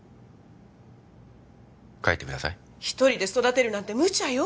帰ってください一人で育てるなんてむちゃよ